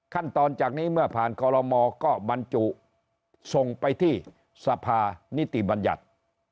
ขั้นตอนจากนี้เมื่อผ่านคอลโลมก็บรรจุส่งไปที่สภานิติบัญญัติ